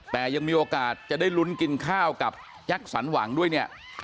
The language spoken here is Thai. แต่ยังมีโอกาสจะได้ลุ้นกินข้าวกับแจ็คสันหวังด้วยเนี่ย